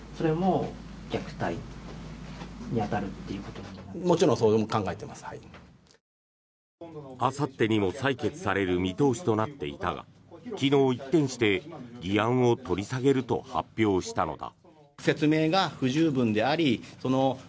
県議団の田村団長は取材に対して。あさってにも採決される見通しとなっていたが昨日一転して議案を取り下げると発表したのだ。